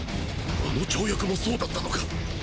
あの跳躍もそうだったのか！？